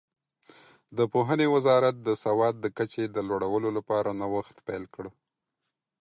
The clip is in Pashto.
د پوهنې وزارت د سواد د کچې د لوړولو لپاره نوښت پیل کړ.